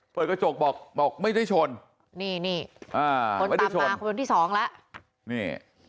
เปิดกระจกบอกบอกไม่ได้ชนนี่นี่อ่าคนตามมาคนที่สองแล้วนี่